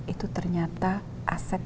itu ternyata aset